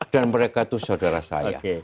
dan mereka itu saudara saya